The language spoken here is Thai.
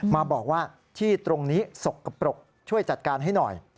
มาบอกว่าที่ตรงนี้สกปรกช่วยจัดการให้หน่อย